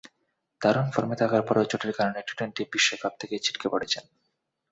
দারুণ ফর্মে থাকার পরও চোটের কারণে টি-টোয়েন্টি বিশ্বকাপ থেকে ছিটকে পড়েছেন।